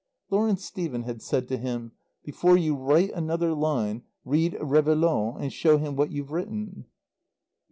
Lawrence Stephen had said to him: "Before you write another line read Réveillaud and show him what you've written."